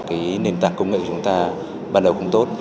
cái nền tảng công nghệ chúng ta ban đầu không tốt